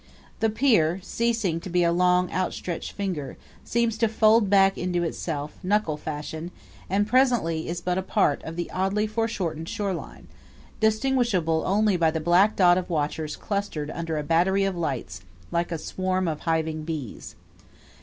The pier, ceasing to be a long, outstretched finger, seems to fold back into itself, knuckle fashion, and presently is but a part of the oddly foreshortened shoreline, distinguishable only by the black dot of watchers clustered under a battery of lights, like a swarm of hiving bees.